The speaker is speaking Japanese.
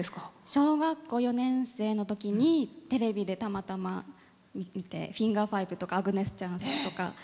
小学校４年生のときテレビでたまたま見てフィンガー５とかアグネス・チャンさんとか。